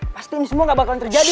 pasti ini semua gak bakalan terjadi